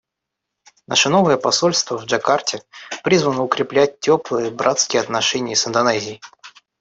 Наше новое посольство в Джакарте призвано укреплять теплые, братские отношения с Индонезией.